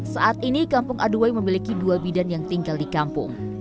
saat ini kampung aduway memiliki dua bidan yang tinggal di kampung